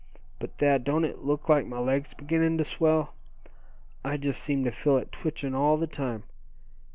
But Thad, don't it look like my leg's beginning to swell? I just seem to feel it twitching all the time.